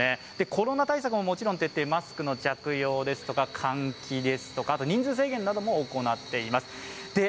コロナ対策ももちろん徹底、マスクの着用ですとか、換気ですとか人数制限なども行っています。